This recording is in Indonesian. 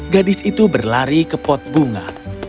gadis itu berlari ke pot bunga